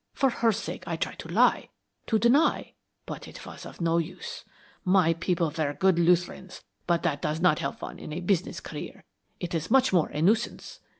For her sake I tried to lie, to deny, but it was of no use. My people were good Lutherans, but that does not help one in a business career; it is much more a nuisance.